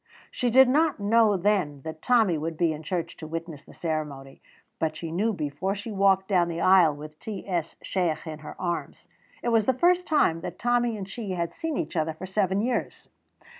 She did not know then that Tommy would be in church to witness the ceremony, but she knew before she walked down the aisle with T.S. Shiach in her arms. It was the first time that Tommy and she had seen each other for seven years.